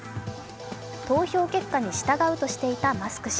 投票結果に従うとしていたマスク氏。